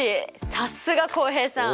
さすが浩平さん！